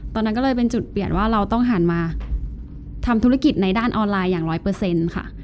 ตอนนั้นก็เลยเป็นจุดเปลี่ยนว่าเราต้องหันมาทำธุรกิจในด้านออนไลน์อย่าง๑๐๐ค่ะ